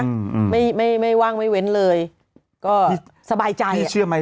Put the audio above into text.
อืมไม่ไม่ไม่ว่างไม่เว้นเลยก็สบายใจเชื่อไหม